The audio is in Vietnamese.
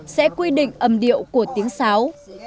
sẽ quy định âm điệu của tiếng sáo